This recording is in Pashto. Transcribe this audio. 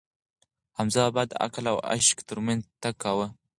حمزه بابا د عقل او عشق ترمنځ تګ کاوه.